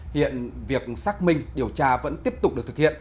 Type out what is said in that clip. hiện việc xác minh điều tra vẫn tiếp tục được thực hiện